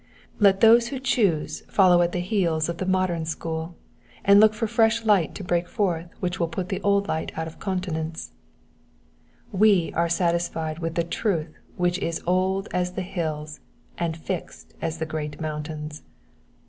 Let those who choose follow at the heels of the modem school and look for fresh light to break forth which will put the old light out of countenance ; we are satisfied with the truth which is old as the hills and as fixed as the great mountains.